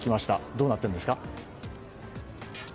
どうなっているんですか？